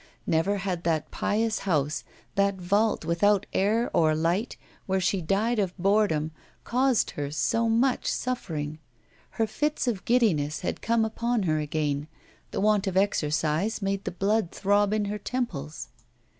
Never had that pious house, that vault, without air or light, where she died of boredom, caused her so much suffering. Her fits of giddiness had come upon her again; the want of exercise made the blood throb in her temples.